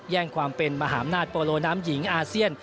ความเป็นมหาอำนาจโปโลน้ำหญิงอาเซียน